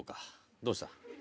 どうした？